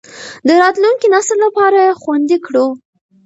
د راتلونکي نسل لپاره یې خوندي کړو.